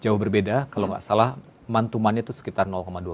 jauh berbeda kalau tidak salah month to month nya itu sekitar dua belas